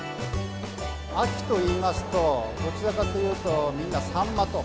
秋といいますと、どちらかというと、みんな、サンマと。